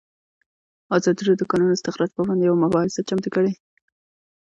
ازادي راډیو د د کانونو استخراج پر وړاندې یوه مباحثه چمتو کړې.